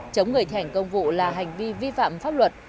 chống người thi hành công vụ là hành vi vi phạm pháp luật